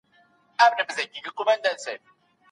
ګونګي سړي د ږیري سره ډېري مڼې خوړلې.